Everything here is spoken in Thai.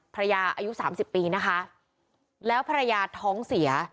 ภรรยาอายุ๓๐ปีนะคะแล้วภรรยาท้องเสีย